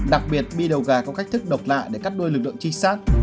đặc biệt đi đầu gà có cách thức độc lạ để cắt đuôi lực lượng trinh sát